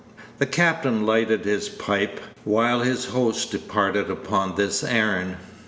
The captain lighted his pipe while his host departed upon this errand.